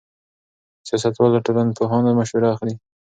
سیاستوال له ټولنپوهانو مشوره اخلي.